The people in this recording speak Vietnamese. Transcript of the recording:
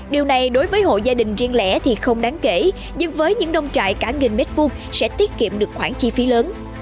điều này đối với hộ gia đình riêng lẻ thì không đáng kể nhưng với những đông trại cả nghìn mét vuông sẽ tiết kiệm được khoảng chi phí lớn